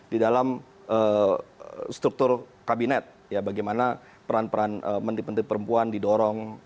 di dalam struktur kabinet ya bagaimana peran peran menteri menteri perempuan didorong